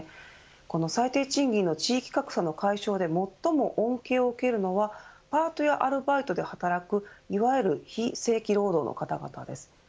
この最低賃金の地域格差の解消で最も恩恵を受けるのはパートやアルバイトで働くいわゆる非正規労働の方々です。